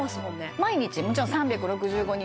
毎日もちろん３６５日